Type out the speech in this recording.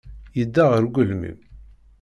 Yedda ɣer ugelmim.